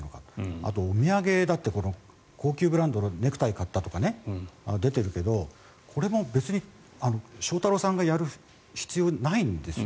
あと、お土産だって高級ブランドのネクタイを買ったとか出ているけれどこれも別に翔太郎さんがやる必要ないんですよ。